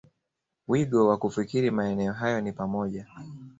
wigo wa kufikiri Maeneo hayo ni pamoja